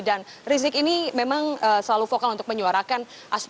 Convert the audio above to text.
dan rizik ini memang selalu vokal untuk menyuarakan